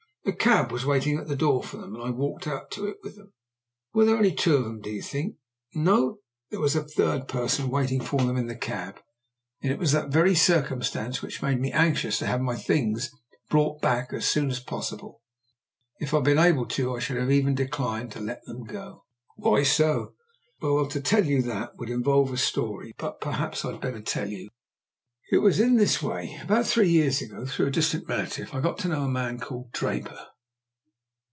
"A cab was waiting at the door for them, and I walked out to it with them." "There were only two of them, you think?" "No. There was a third person waiting for them in the cab, and it was that very circumstance which made me anxious to have my things brought back as soon as possible. If I had been able to, I should have even declined to let them go." "Why so?" "Well, to tell you that would involve a story. But perhaps I had better tell you. It was in this way. About three years ago, through a distant relative, I got to know a man named Draper."